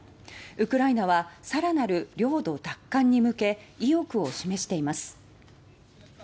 ウクライナはさらなる領土奪還に向け意欲を示しています。